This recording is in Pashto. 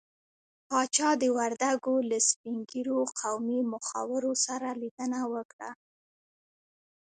پاچا د وردګو له سپين ږيرو قومي مخورو سره ليدنه وکړه.